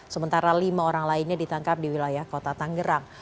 sementara lima orang lainnya ditangkap di wilayah kota tanggerang